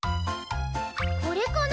これかな？